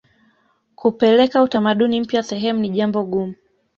kupeleka utamaduni mpya sehemu ni jambo gumu